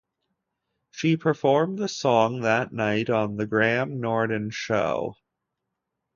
She performed the song that night on "The Graham Norton Show".